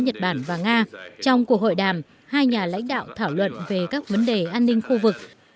nhật bản và nga trong cuộc hội đàm hai nhà lãnh đạo thảo luận về các vấn đề an ninh khu vực